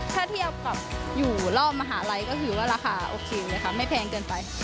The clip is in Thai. ถ้าเทียบกับอยู่รอบมหาลัยก็คือว่าราคาโอเคเลยค่ะไม่แพงเกินไป